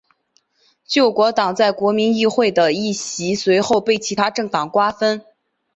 救国党在国民议会的议席随后被其它政党瓜分。